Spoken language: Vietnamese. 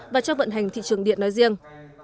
và cho vận hành thị trường điện nói riêng